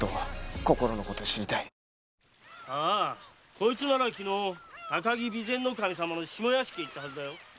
こいつなら昨日高木備前守様の下屋敷へ行ったはずだよ。